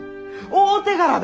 大手柄だ！